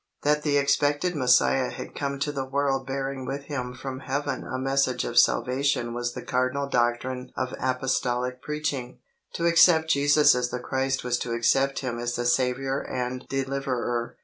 That the expected Messiah had come to the world bearing with Him from heaven a message of salvation was the cardinal doctrine of Apostolic preaching. To accept Jesus as the Christ was to accept Him as the Saviour and Deliverer.